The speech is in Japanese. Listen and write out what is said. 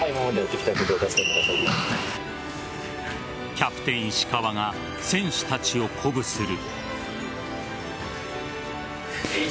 キャプテン・石川が選手たちを鼓舞する。